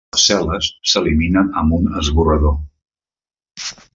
Les cel·les s'eliminen amb un esborrador.